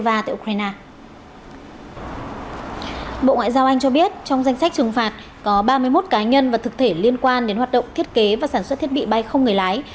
bộ ngoại giao anh cho biết trong danh sách trừng phạt có ba mươi một cá nhân và thực thể liên quan đến hoạt động thiết kế và sản xuất thiết bị bay không người lái